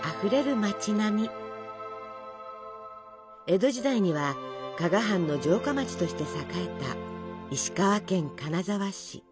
江戸時代には加賀藩の城下町として栄えた石川県金沢市。